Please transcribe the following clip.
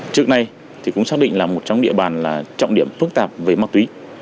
trước nay thì cũng xác định là một trong địa bàn trọng điểm phức tạp về ma túy